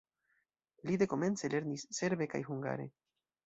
Li dekomence lernis serbe kaj hungare.